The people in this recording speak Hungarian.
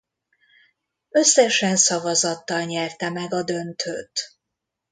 Összesen szavazattal nyerte meg a döntőt.